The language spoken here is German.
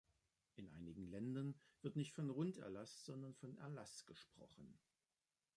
In einigen Ländern wird nicht von Runderlass, sondern von Erlass gesprochen.